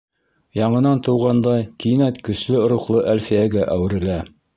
Яңынан тыуғандай, кинәт көслө рухлы Әлфиәгә әүерелә.